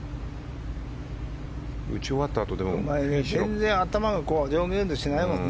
全然、頭が上下運動しないもんね。